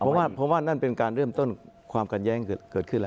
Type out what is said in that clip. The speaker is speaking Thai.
เพราะว่าผมว่านั่นเป็นการเริ่มต้นความกันแย้งเกิดขึ้นแล้ว